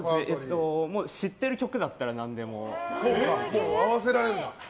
知ってる曲だったら何でも。